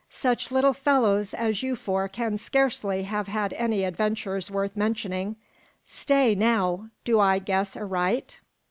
Such little fellows as you four can scarcely have had any adventures worth mentioning. Stay, now! Do I guess aright?